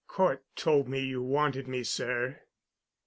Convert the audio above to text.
"Cort told me you wanted me, sir."